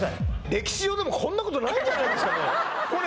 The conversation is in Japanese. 歴史上でもこんなことないんじゃないですかね？